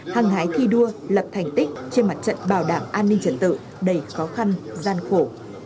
hàng thái thi đua lập thành tích trên mặt trận bảo đảm an ninh trận tự đầy khó khăn gian khổ